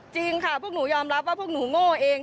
จริงค่ะพวกหนูยอมรับว่าพวกหนูโง่เอง